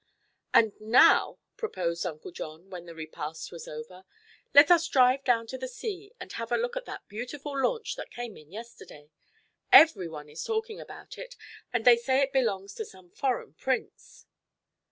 "And now," proposed Uncle John, when the repast was over, "let us drive down to the sea and have a look at that beautiful launch that came in yesterday. Everyone is talking about it and they say it belongs to some foreign prince."